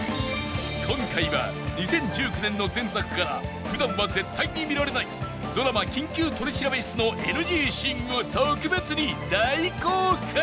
今回は２０１９年の前作から普段は絶対に見られないドラマ『緊急取調室』の ＮＧ シーンを特別に大公開！